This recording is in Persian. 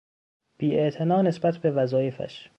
بیاعتنا نسبت به وظایفش